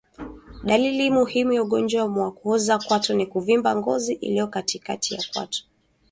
Dalili muhimu ya ugonjwa wa kuoza kwato ni kuvimba ngozi iliyo katikati ya kwato